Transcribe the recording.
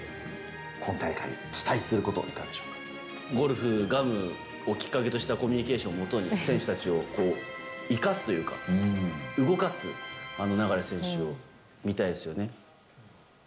今大会、期待することはいかゴルフ、ガムをきっかけとしたコミュニケーションをもとに、選手たちを生かすというか、動かす流選手を見たいですよね。